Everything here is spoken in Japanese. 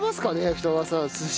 二川さん寿司？